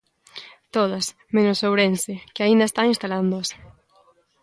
Todas, menos Ourense, que aínda está instalándoas.